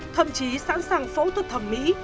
thậm chí sẵn sàng phẫu thuật thẩm mỹ